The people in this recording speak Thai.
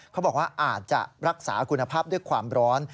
เขาบอกว่าอาจจะรักษาคุณภาพด้วยความร้อน